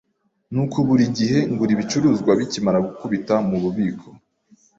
nuko buri gihe ngura ibicuruzwa bikimara gukubita mububiko.